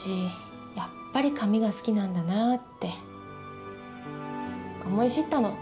やっぱり紙が好きなんだなって思い知ったの。